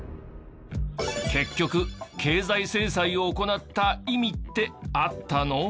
結局経済制裁を行った意味ってあったの？